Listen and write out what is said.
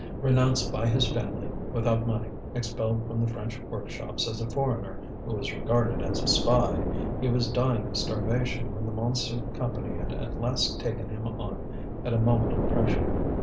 Renounced by his family, without money, expelled from the French workshops as a foreigner who was regarded as a spy, he was dying of starvation when the Montsou Company had at last taken him on at a moment of pressure.